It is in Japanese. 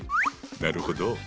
なるほど！